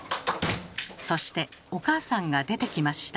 そしてお母さんが出てきました。